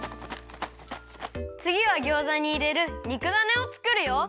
つぎはギョーザにいれるにくだねをつくるよ！